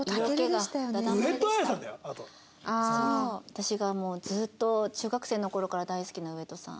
私がもうずっと中学生の頃から大好きな上戸さん。